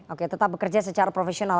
oke tetap bekerja secara profesional